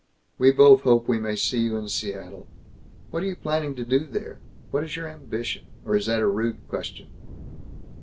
We both hope we may see you in Seattle. What are you planning to do there? What is your ambition? Or is that a rude question?"